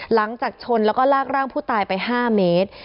หลังจากชนแล้วก็ลากร่างผู้ตายไป๕เมตร